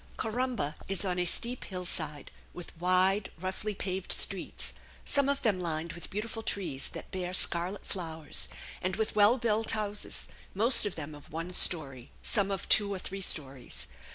Corumba is on a steep hillside, with wide, roughly paved streets, some of them lined with beautiful trees that bear scarlet flowers, and with well built houses, most of them of one story, some of two or three stories.